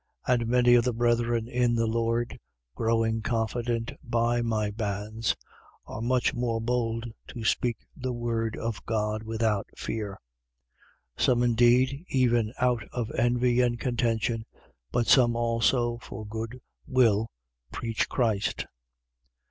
1:14. And many of the brethren in the Lord, growing confident by my bands, are much more bold to speak the word of God without fear. 1:15. Some indeed, even out of envy and contention: but some also for good will preach Christ.